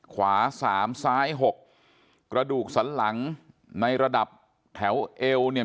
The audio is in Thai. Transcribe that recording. ขวาสามซ้ายหกกระดูกสันหลังในระดับแถวเอวเนี่ย